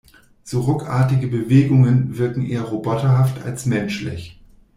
So ruckartige Bewegungen wirken eher roboterhaft als menschlich.